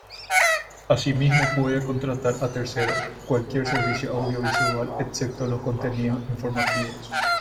Asimismo puede contratar a terceros cualquier servicio audiovisual excepto los contenidos informativos.